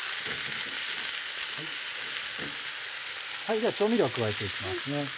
では調味料を加えて行きますね。